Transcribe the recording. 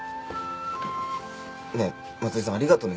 ねえまつりさんありがとね。